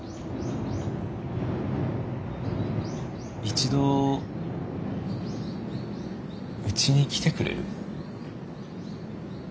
一度うちに来てくれる？